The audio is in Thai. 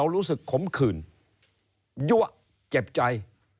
ผมคืนยั่วเจ็บใจ